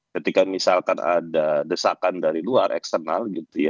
ketika misalkan ada desakan dari luar eksternal